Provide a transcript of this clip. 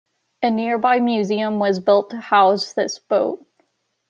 A nearby museum was built to house this boat.